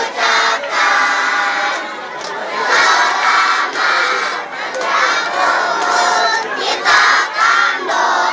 kita akan doakan